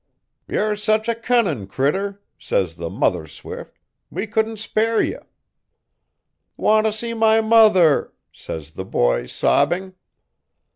'"Yer sech a cunnin' critter," says the mother swift, "we couldn't spare ye." '"Want to see my mother," says the boy sobbing.